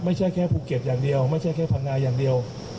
ไม่ใช่แค่ภูเก็ตอย่างเดียวไม่ใช่แค่พังงาอย่างเดียว